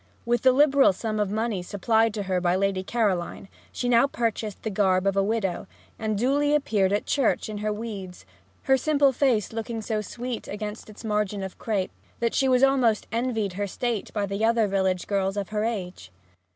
With the liberal sum of money supplied to her by Lady Caroline she now purchased the garb of a widow, and duly appeared at church in her weeds, her simple face looking so sweet against its margin of crape that she was almost envied her state by the other village girls of her age.